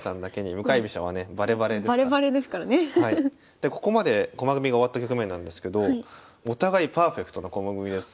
でここまで駒組みが終わった局面なんですけどお互いパーフェクトな駒組みです。